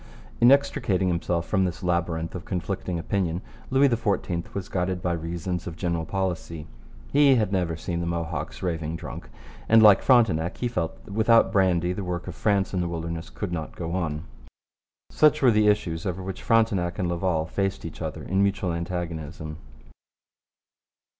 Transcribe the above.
In extricating himself from this labyrinth of conflicting opinion Louis XIV was guided by reasons of general policy. He had never seen the Mohawks raving drunk, and, like Frontenac, he felt that without brandy the work of France in the wilderness could not go on. Such were the issues over which Frontenac and Laval faced each other in mutual antagonism.